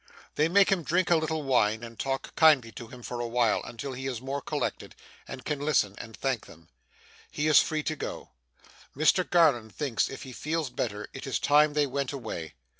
They make him drink a little wine, and talk kindly to him for a while, until he is more collected, and can listen, and thank them. He is free to go. Mr Garland thinks, if he feels better, it is time they went away.